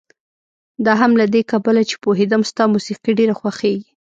دا هم له دې کبله چې پوهېدم ستا موسيقي ډېره خوښېږي.